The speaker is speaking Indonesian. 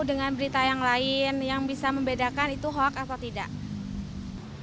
dengan berita yang lain yang bisa membedakan itu hoax atau tidak